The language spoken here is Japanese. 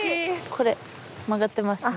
これ曲がってますね。